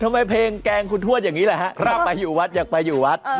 เพลงแกล้งคุณทวดอย่างนี้แหละครับไปอยู่วัดอยากไปอยู่วัด